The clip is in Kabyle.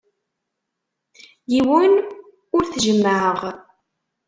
Yiwen ur t-jemmɛeɣ.